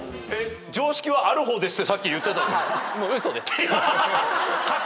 「常識はある方です」ってさっき言ってた。